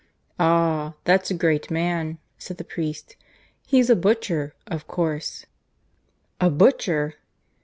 "Ah! that's a great man," said the priest. "He's a Butcher, of course " "A butcher!"